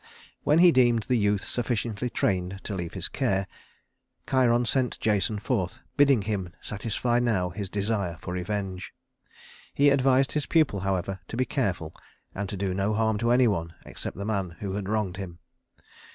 When he deemed the youth sufficiently trained to leave his care, Chiron sent Jason forth, bidding him satisfy now his desire for revenge. He advised his pupil, however, to be careful and to do no harm to any one except the man who had wronged him.